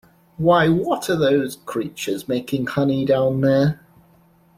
Why, what are those creatures, making honey down there?